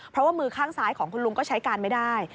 เพราะว่ามือข้างซ้ายของคุณลุงก็ใช้การไม่ได้